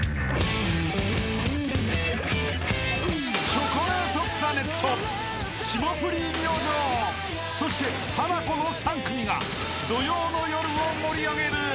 ［チョコレートプラネット霜降り明星そしてハナコの３組が土曜の夜を盛り上げる！］